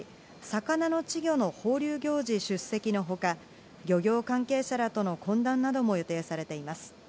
魚の稚魚の放流行事出席のほか、漁業関係者らとの懇談なども予定されています。